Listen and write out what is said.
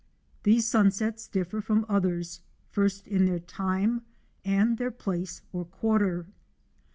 These sunsets differ from others, first in their time and their place or quarter.